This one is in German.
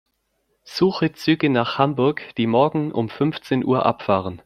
Suche Züge nach Hamburg, die morgen um fünfzehn Uhr abfahren.